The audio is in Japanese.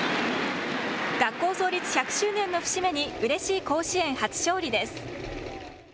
学校創立１００周年の節目にうれしい甲子園初勝利です。